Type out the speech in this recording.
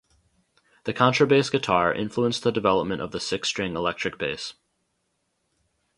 The contrabass guitar influenced the development of the six-string electric bass.